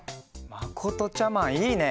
まことちゃマンいいね！